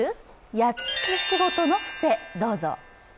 やっつけ仕事の伏せ、どうぞ。